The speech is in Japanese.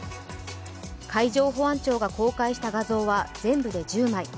海上保安庁が公開した画像は全部で１０枚。